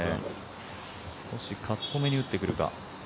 少しカットめに打ってくるか。